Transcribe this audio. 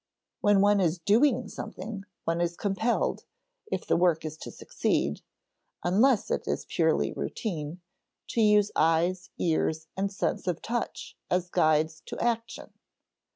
When one is doing something, one is compelled, if the work is to succeed (unless it is purely routine), to use eyes, ears, and sense of touch as guides to action.